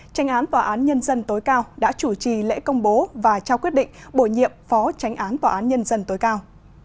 tranh án tòa án nhân dân tối cao đã chủ trì lễ công bố và trao quyết định bổ nhiệm phó tránh án tòa án nhân dân tối cao